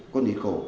con nít khổ